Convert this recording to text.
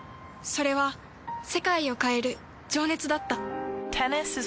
それは世界を変える情熱だった。